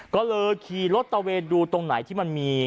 ก็เลยขี่รถตะเวนดูตรงไหนที่มันมี